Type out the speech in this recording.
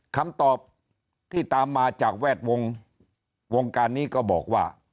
คำตอบที่ตามมาจากแวดวงวงการนี้ก็บอกว่า